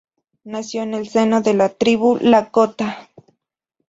Nació en el seno de la tribu lakota.